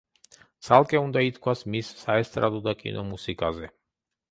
ცალკე უნდა ითქვას მის საესტრადო და კინო მუსიკაზე.